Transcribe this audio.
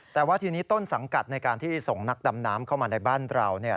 แต่ว่าทีนี้ต้นสังกัดในการที่ส่งนักดำน้ำเข้ามาในบ้านเราเนี่ย